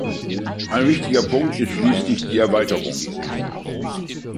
Ein wichtiger Punkt ist schließlich die Erweiterung.